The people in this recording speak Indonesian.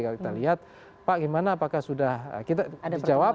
kalau kita lihat pak gimana apakah sudah kita jawab